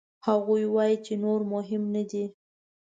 هغوی وايي چې نور مهم نه دي.